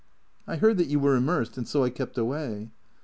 " I heard that you were immersed, and so I kept away."